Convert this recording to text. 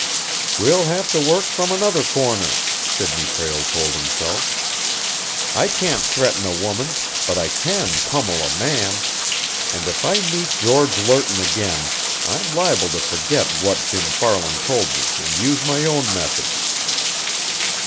"We'll have to work from another corner," Sidney Prale told himself. "I can't threaten a woman, but I can pummel a man; and if I meet George Lerton again, I am liable to forget what Jim Farland told me and use my own methods."